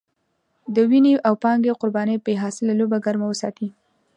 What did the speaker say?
د وينې او پانګې قربانۍ بې حاصله لوبه ګرمه وساتي.